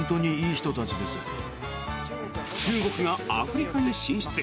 中国がアフリカに進出！